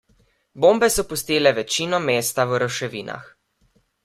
Bombe so pustile večino mesta v ruševinah.